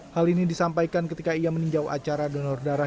hal ini disampaikan ketika ia meninjau acara donor darah